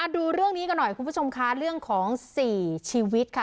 ดูเรื่องนี้หน่อยครับคุณผู้ชมเรื่องของสี่ชีวิต